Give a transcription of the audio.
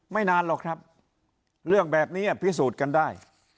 นานหรอกครับเรื่องแบบนี้พิสูจน์กันได้